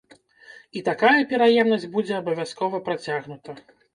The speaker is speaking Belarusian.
І такая пераемнасць будзе абавязкова працягнута.